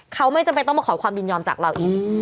เขาไม่จำเป็นต้องมาขอความยินยอมจากเราอีก